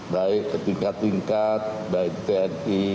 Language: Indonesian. baik ke tingkat tingkat baik tni